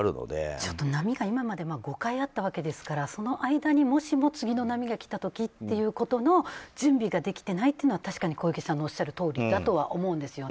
ちょっと波が今まで５回あったわけですからその間にもしも次の波が来た時という準備ができてないというのは確かに小池さんのおっしゃるとおりだと思うんですよ。